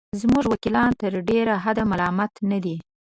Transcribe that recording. زموږ وکیلان تر ډېره حده ملامت نه دي.